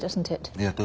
ありがとう。